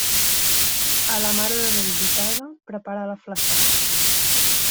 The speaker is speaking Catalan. A la Mare de Déu Gitada, prepara la flassada.